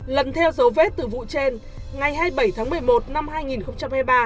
lần theo dấu vết từ vụ trên ngày hai mươi bảy tháng một mươi một năm hai nghìn hai mươi ba